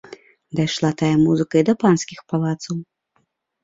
Дайшла тая музыка і да панскіх палацаў.